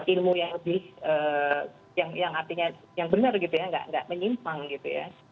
ilmu yang lebih yang artinya yang benar gitu ya nggak menyimpang gitu ya